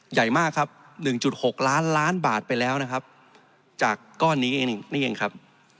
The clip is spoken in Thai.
ใหญ่มากครับ๑๖ล้านล้านบาทไปแล้วนะครับจากก้อนนี้เองนี่เองครับ